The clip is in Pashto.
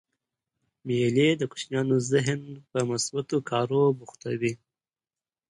مېلې د کوچنيانو ذهن په مثبتو کارو بوختوي.